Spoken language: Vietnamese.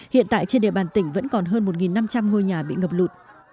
hiện tại trên địa bàn tỉnh vẫn còn hơn một năm trăm linh ngôi nhà bị ngập lụt